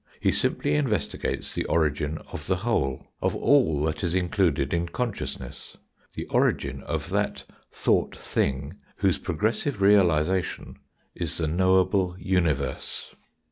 He simply investigates the origin of the whole of all that is included in con sciousness, the origin of that "thought thing" whose progressive realisation is the knowable universe.